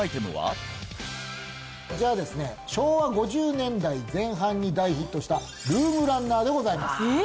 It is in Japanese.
こちらはですね昭和５０年代前半に大ヒットしたルームランナーでございますえっ？